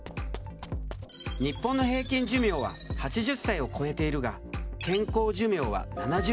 日本の平均寿命は８０歳を超えているが健康寿命は７０代。